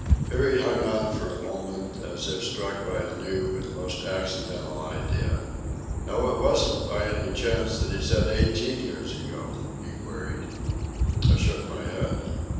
Here he hung on for a moment, as if struck by a new and most accidental idea. "Now it wasn't, by any chance, that he said eighteen years ago?" he queried. I shook my head.